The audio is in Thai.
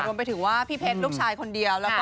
รวมไปถึงว่าพี่เพชรลูกชายคนเดียว